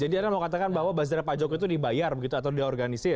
jadi anda mau katakan bahwa buzzernya pak jokowi itu dibayar gitu atau diorganisir